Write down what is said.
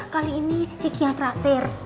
kali ini tik yang terakhir